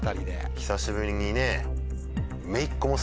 久しぶりにね。